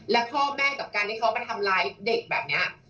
และพ่อแม่กับการที่เขามาทำร้ายเด็กแบบนี้